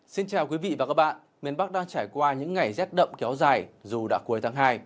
xin chào quý vị và các bạn miền bắc đang trải qua những ngày rét đậm kéo dài dù đã cuối tháng hai